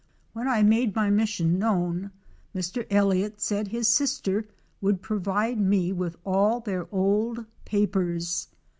When I made my mission known, Mr. Elliott said his sister would provide me with all their old papers.